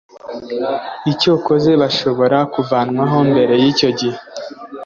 icyakora bashobora kuvanwaho mbere y icyo gihe